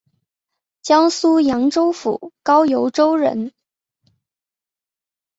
江苏扬州府高邮州人。